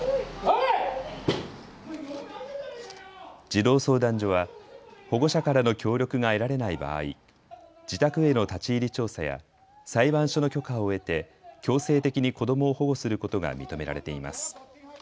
児童相談所は、保護者からの協力が得られない場合、自宅への立ち入り調査や裁判所の許可を得て、強制的に子どもを保護することが認められています。